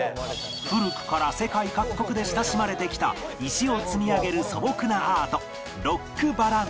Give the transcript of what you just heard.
古くから世界各国で親しまれてきた石を積み上げる素朴なアートロックバランシング